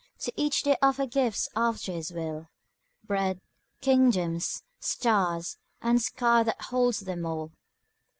To each they offer gifts after his will, Bread, kingdoms, stars, and sky that holds them all.